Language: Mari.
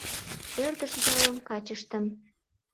Ӧрдыж ялын качыштым